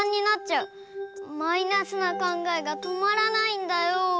マイナスなかんがえがとまらないんだよ。